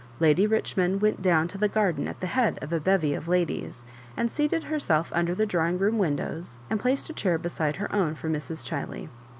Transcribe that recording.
Lady Richmond went down to the garden at the head of a bevy of ladies, and seated herself under the drawing room windows, and placed a chair beside her own for Mrs. Chiley.